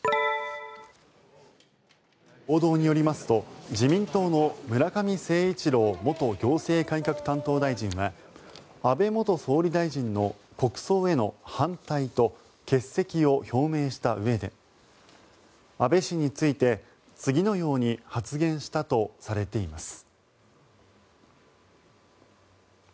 報道によりますと自民党の村上誠一郎元行政改革担当大臣は安倍元総理大臣の国葬への反対と欠席を表明したうえで安倍氏について次のように発言したとされています。